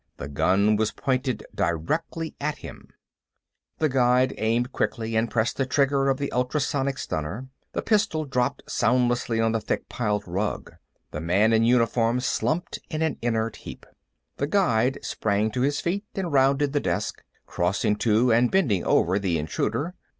The gun was pointed directly at him. The Guide aimed quickly and pressed the trigger of the ultrasonic stunner. The pistol dropped soundlessly on the thick piled rug; the man in uniform slumped in an inert heap. The Guide sprang to his feet and rounded the desk, crossing to and bending over the intruder.